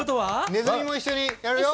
ねずみも一緒にやるよ。